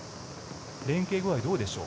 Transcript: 連携具合どうでしょう？